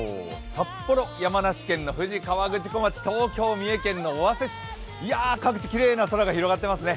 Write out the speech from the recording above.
札幌、山梨県の富士河口湖町東京、三重県の尾鷲市、各地、きれいな空が広がっていますね。